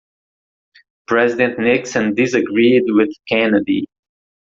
President Nixon disagreed with Kennedy.